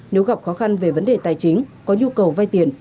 nếu gặp khó khăn về vấn đề tài chính có nhu cầu vay tiền